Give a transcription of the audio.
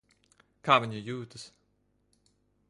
Kā viņa jūtas?